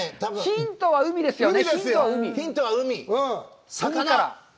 ヒントは海ですよね。